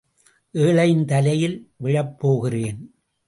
ஏழையின் தலையில் விழப் போகிறேன்.